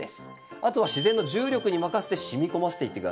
あとは自然の重力に任せて染み込ませていって下さい。